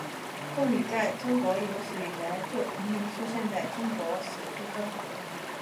贡女在中国有史以来就频频出现在中国史书中。